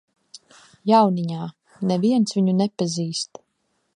Jauniņā, neviens viņu nepazīst.